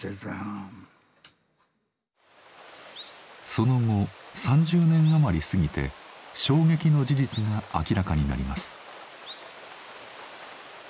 その後３０年余り過ぎて衝撃の事実が明らかになります。